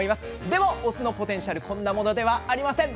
でもお酢のポテンシャルこんなものではありません。